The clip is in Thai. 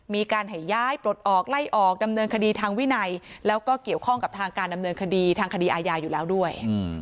มีการให้ย้ายปลดออกไล่ออกดำเนินคดีทางวินัยแล้วก็เกี่ยวข้องกับทางการดำเนินคดีทางคดีอาญาอยู่แล้วด้วย